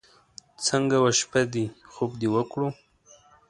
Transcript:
څنګه وه شپه دې؟ خوب دې وکړو.